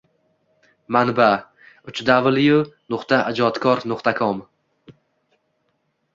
Manba: www.ijodkor.com